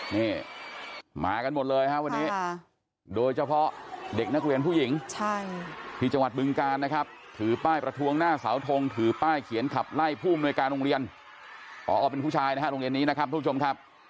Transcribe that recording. นี่มากันหมดเลยฮะวันนี้โดยเฉพาะเด็กนักเรียนผู้หญิงที่จังหวัดบึงการนะครับถือป้ายประท้วงหน้าเสาทงถือป้ายเขียนขับไล่ผู้อำนวยการโรงเรียนพอเป็นผู้ชายนะฮะโรงเรียนนี้นะครับทุกผู้ชมครับ